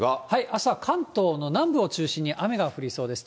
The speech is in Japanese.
あしたは関東の南部を中心に雨が降りそうです。